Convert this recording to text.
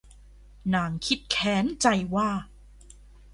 นางคิดแค้นใจว่า